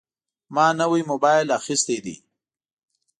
زه نوی موبایل اخیستی دی.